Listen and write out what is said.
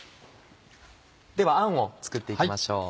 ではあんを作って行きましょう。